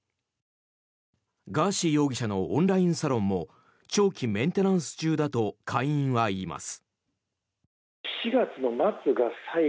ガーシー容疑者のオンラインサロンも長期メンテナンス中だと会員は言います。